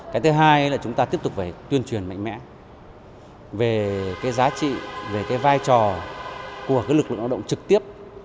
cái thứ hai là chúng ta tiếp tục phải tuyên truyền mạnh mẽ về cái giá trị về cái vai trò của lực lượng lao động trực tiếp